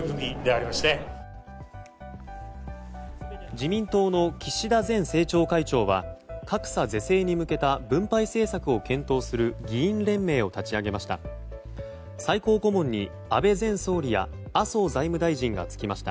自民党の岸田前政調会長は格差是正に向けた分配政策を検討する議員連盟を立ち上げました。